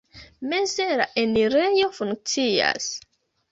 Meze la enirejo funkcias.